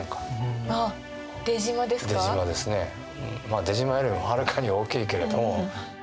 まあ出島よりもはるかに大きいけれども。